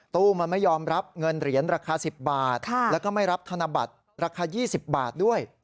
ตู้มันไม่ยอมรับเงินเหรียญราคา๑๐บาทแล้วก็ไม่รับธนบัตรราคา๒๐บาทด้วย